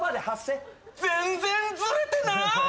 全然ずれてない！